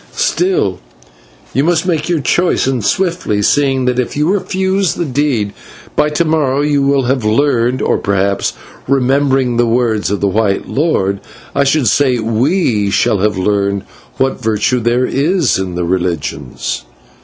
Still, you must make your choice and swiftly, seeing that if you refuse the deed, by to morrow you will have learned, or, perhaps remembering the words of the white lord I should say /we/ shall have learned what virtue there is in the religions."